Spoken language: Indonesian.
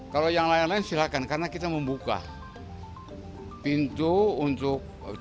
kalau yang lain lain silahkan karena kita membuka pintu untuk